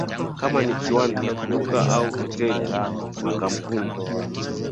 kama ni kiwanda duka au hoteli Makampuni